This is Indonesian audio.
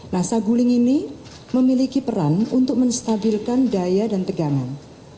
nah saguling ini memiliki peran untuk menstabilkan daya dan tegangan